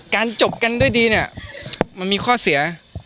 จบกันด้วยดีเนี่ยมันมีข้อเสีย